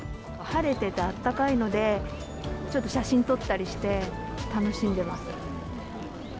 晴れててあったかいので、ちょっと写真撮ったりして楽しんでます。